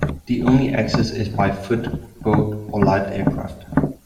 The only access is by foot, boat, or light aircraft.